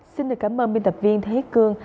xin cảm ơn biên tập viên thế cương